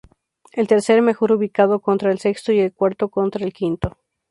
El tercer mejor ubicado contra el sexto y el cuarto contra el quinto.